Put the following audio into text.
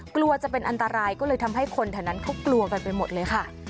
กลัวจะเป็นอันตรายก็เลยทำให้คนแถวนั้นเขากลัวกันไปหมดเลยค่ะ